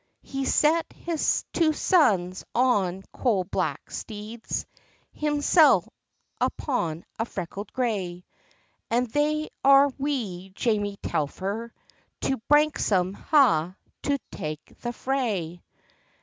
He's set his twa sons on coal black steeds, Himsel' upon a freckled gray, And they are on wi, Jamie Telfer, To Branksome Ha to tak the fray.